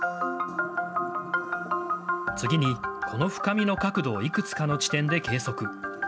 次に、この深みの角度をいくつかの地点で計測。